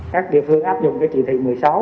các địa phương áp dụng trị thị một mươi sáu